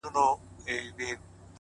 • نور به وه ميني ته شعرونه ليكلو؛